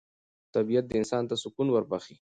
طبیعت انسان ته سکون وربخښي